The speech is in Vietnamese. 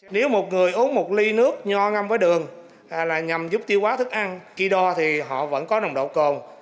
nếu một người uống một ly nước nho ngâm với đường là nhằm giúp tiêu hóa thức ăn khi đo thì họ vẫn có nồng độ cồn